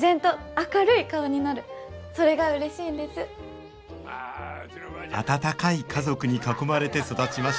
温かい家族に囲まれて育ちました